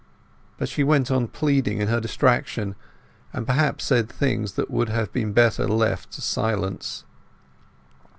But she went on pleading in her distraction; and perhaps said things that would have been better left to silence.